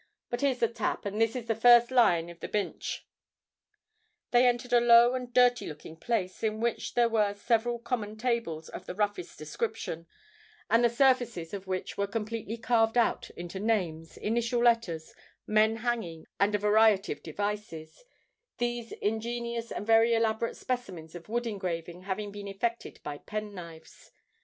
But here's the Tap: and this is the first lion of the Binch." They entered a low and dirty looking place, in which there were several common tables of the roughest description, and the surfaces of which were completely carved out into names, initial letters, men hanging, and a variety of devices—these ingenious and very elaborate specimens of wood engraving having been effected by penknives.